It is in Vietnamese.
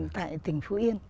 tại tỉnh phú yên